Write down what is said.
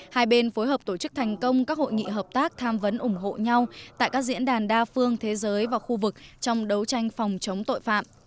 hai bên phối hợp tổ chức thành công các hội nghị hợp tác tham vấn ủng hộ nhau tại các diễn đàn đa phương thế giới và khu vực trong đấu tranh phòng chống tội phạm